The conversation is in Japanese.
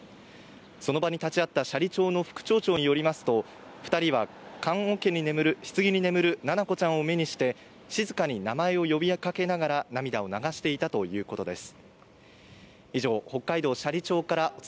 その場に立ち会った斜里町の副町長によりますと、２人はひつぎに眠る七菜子ちゃんを目にして静かに名前を呼びかけながら涙を流していたということです。